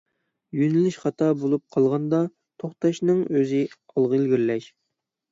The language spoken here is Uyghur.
يۆنىلىش خاتا بولۇپ قالغاندا، توختاشنىڭ ئۆزى ئالغا ئىلگىرىلەش.